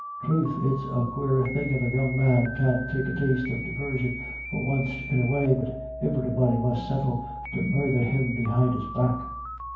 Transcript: Troth, it's a quare thing if a young man can't take a taste of divarsion for wunst in a way, but iverybody must settle to murdhcr him behind his back."